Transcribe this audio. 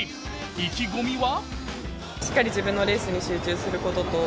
意気込みは？